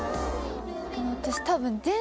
私多分。